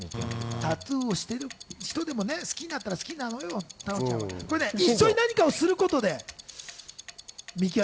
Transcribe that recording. タトゥーしてる人でも好きになったら好きなのよ、これね一緒に何かをすることで。